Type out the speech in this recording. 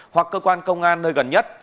hoặc cơ quan công an nơi gần nhất